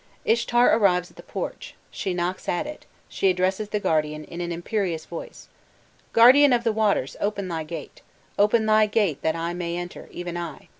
Ishtar arrives at the porch, she knocks at it, she addresses the guardian in an imperious voice: "'Guardian of the waters, open thy gate open thy gate that I may enter, even I.